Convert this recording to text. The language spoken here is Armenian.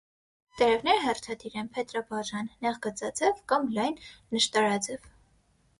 Տերևները հերթադիր են, փետրաբաժան, նեղ գծաձև կամ լայն նըշտարաձև։